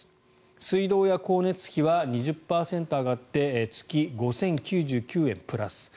水道や光熱費は２０％上がって月５０９９円プラス。